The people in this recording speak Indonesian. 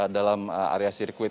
dalam area sirkuit